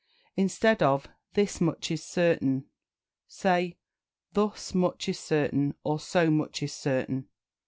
Instead of "This much is certain," say "Thus much is certain," or, "So much is certain."